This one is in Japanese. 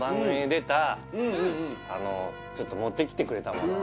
ちょっと持ってきてくれたもの